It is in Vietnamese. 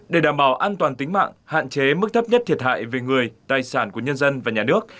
để đảm bảo an toàn tính mạng hạn chế mức thấp nhất thiệt hại về người tài sản của nhân dân và nhà nước